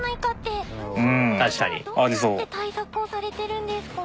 そういうのはどうやって対策をされてるんですか？